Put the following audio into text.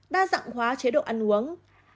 đa dạng hóa chế độ ăn uống